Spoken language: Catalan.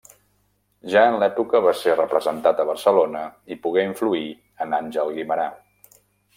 Ja en l'època va ser representat a Barcelona i pogué influir en Àngel Guimerà.